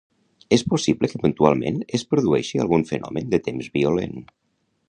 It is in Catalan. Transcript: És possible que puntualment es produeixi algun fenomen de temps violent.